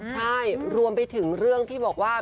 ใช่รวมไปถึงเรื่องที่บอกว่า